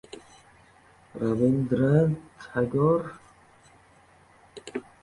Rabindranat Tagor: «Haqiqatning o‘zidek yozilgan narsa adabiyot emas!»